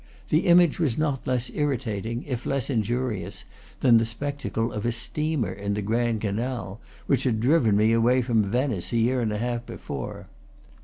The image was not less irritating, if less injurious, than the spectacle of a steamer in the Grand Canal, which had driven me away from Venice a year and a half before.